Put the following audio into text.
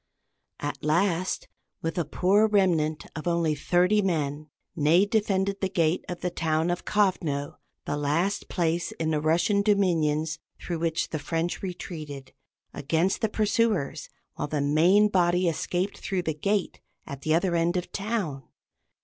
At last, with a poor remnant of only thirty men, Ney defended the gate of the town of Kovno the last place in the Russian dominions through which the French retreated against the pursuers, while the main body escaped through the gate at the other end of the town.